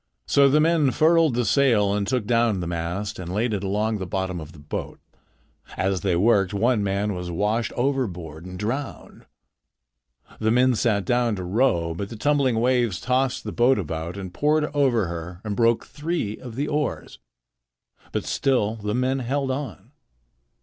So the men furled the sail and took down the mast and laid it along the bottom of the boat. As they worked, one man was washed overboard and drowned. The men sat down to row, but the tumbling waves tossed the boat about and poured over her and broke three of the oars. But still the men held on.